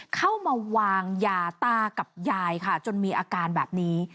เข้ามาวางยาตากับยายค่ะจนมีอาการแบบนี้